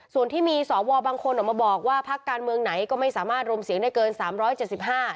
ส่วนที่มีสอวอบางคนออกมาบอกว่าพักการเมืองไหนก็ไม่สามารถรวมเสียงได้เกินสามร้อยเจ็ดสิบห้า